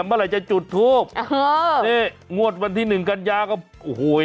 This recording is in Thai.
เมื่อไหร่จะจุดทูบนี่งวดวันที่หนึ่งกันยาก็โอ้โห